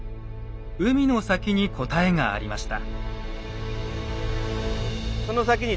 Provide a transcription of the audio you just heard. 海の先に答えがありました。